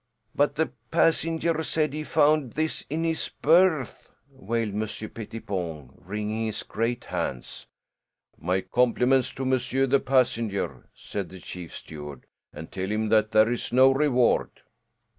"But the passenger said he found this in his berth!" wailed Monsieur Pettipon, wringing his great hands. "My compliments to monsieur the passenger," said the chief steward, "and tell him that there is no reward."